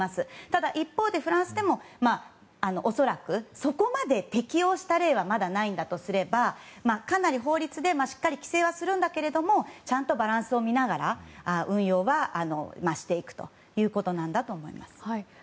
ただ一方でフランスでも恐らく、そこまで適用した例はまだないとすればかなり、法律でしっかり規制はするんだけどちゃんとバランスを見ながら運用はしていくということなんだと思います。